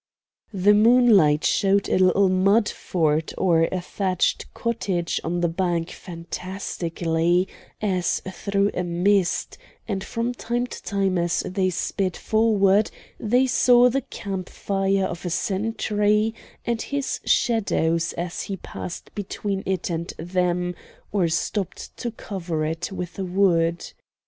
The moonlight showed a little mud fort or a thatched cottage on the bank fantastically, as through a mist, and from time to time as they sped forward they saw the camp fire of a sentry, and his shadow as he passed between it and them, or stopped to cover it with wood.